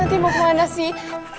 nanti mau kemana sih